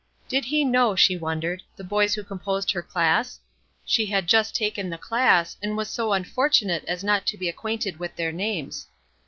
Did he know, she wondered, the boys who composed her class? She had just taken the class, and was so unfortunate as not to be acquainted with their names.